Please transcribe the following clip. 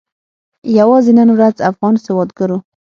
یوازې نن ورځ افغان سوداګرو